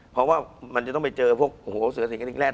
เพราะว่ามันจะต้องไปเจอพวกโอ้โหเสือเสียงกระดิ่งแรด